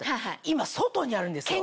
今外にあるんですよ。